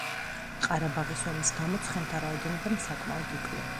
ყარაბაღის ომის გამო ცხენთა რაოდენობამ საკმაოდ იკლო.